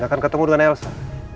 akan ketemu dengan elsa